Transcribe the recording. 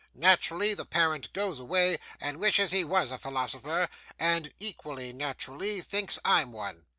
Naturally, the parent goes away and wishes he was a philosopher, and, equally naturally, thinks I'm one.